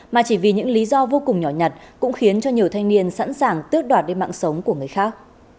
mà chỉ vì những lý do vô cùng nhỏ nhặt cũng khiến cho nhiều thanh niên sẵn sàng tước đoạt đi mạng sống của người khác